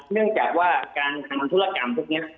เนื่องจากว่าการทำธุรกรรมพวกนี้